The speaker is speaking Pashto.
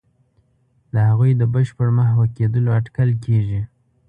د هغوی د بشپړ محو کېدلو اټکل کېږي.